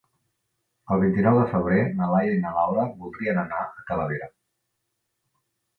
El vint-i-nou de febrer na Laia i na Laura voldrien anar a Talavera.